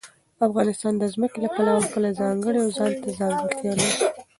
افغانستان د ځمکه د پلوه خپله ځانګړې او ځانته ځانګړتیا لري.